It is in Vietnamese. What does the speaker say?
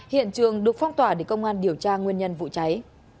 hiện trường được phong tỏa để công an điều tra nguyên nhân vụ cháy